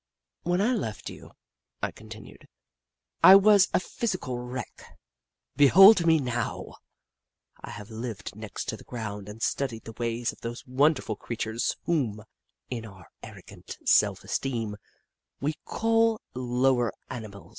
" When I left you," I continued, " I was a physical wreck. Behold me now ! I have lived next to the ground and studied the ways of those wonderful creatures whom, in our ar rogant self esteem, we call the lower animals.